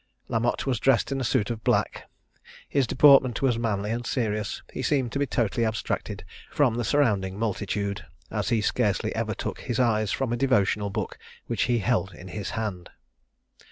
La Motte was dressed in a suit of black. His deportment was manly and serious: he seemed to be totally abstracted from the surrounding multitude, as he scarcely ever took his eyes from a devotional book which he held in his hand.